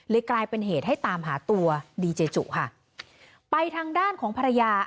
กลายเป็นเหตุให้ตามหาตัวดีเจจุค่ะไปทางด้านของภรรยา